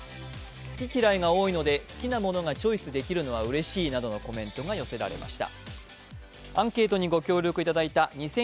好き嫌いが多いので好きなものをチョイスできるのはうれしいなどのコメントが寄せられました。